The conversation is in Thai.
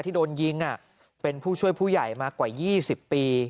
ที่โดนยิงเป็นผู้ช่วยผู้ใหญ่มากว่า๒๐ปี